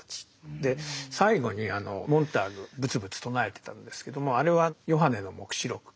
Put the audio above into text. で最後にモンターグぶつぶつ唱えてたんですけどもあれは「ヨハネの黙示録」。